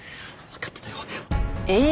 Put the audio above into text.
わかってたよ。